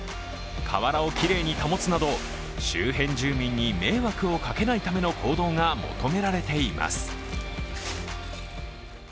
河原をきれいに保つなど周辺住民に迷惑をかけないための行動が求められています。